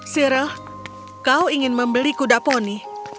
sirah kau ingin membeli kuda poni